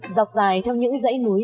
dọc dài theo những dãy núi